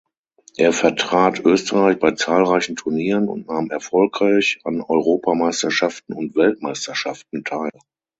Er vertrat Österreich bei zahlreichen Turnieren und nahm erfolgreich an Europameisterschaften und Weltmeisterschaften teil.